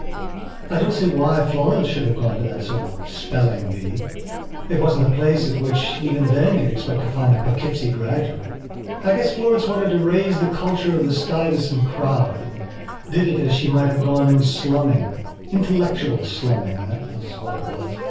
I don't see why Florence should have gone to that sort of spelling bee. It wasn't the place at which, even then, you expected to find a Poughkeepsie graduate. I guess Florence wanted to raise the culture of the Stuyvesant crowd and did it as she might have gone in slumming. Intellectual slumming, that was what it was.